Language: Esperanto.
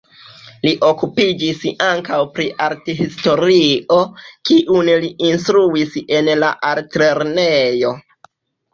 Li okupiĝis ankaŭ pri arthistorio, kiun li instruis en la altlernejo.